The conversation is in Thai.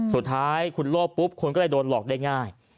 สุดท้ายคุณโลภปุ๊บคุณก็เลยโดนหลอกได้ง่าย